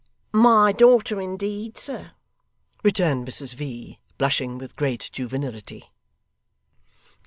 'My daughter, indeed, sir,' returned Mrs V., blushing with great juvenility.